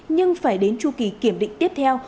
nhưng phải đến chu kỳ kiểm định tiếp theo